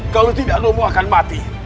kalau tidak romo akan mati